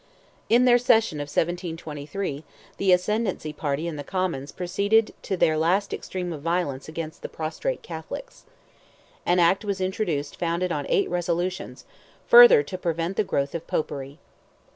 In their session of 1723, the ascendancy party in the Commons proceeded to their last extreme of violence against the prostrate Catholics. An act was introduced founded on eight resolutions, "further to prevent the growth of Popery."